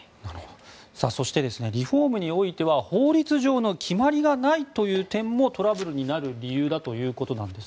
そしてリフォームにおいては法律上の決まりがないという点もトラブルになる理由だということなんです。